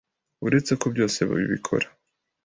Uretse ko byose bibikora